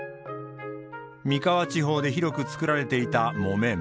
三河地方で広く作られていた木綿。